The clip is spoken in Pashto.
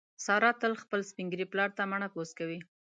ساره تل خپل سپین ږیري پلار ته مڼه پوست کوي.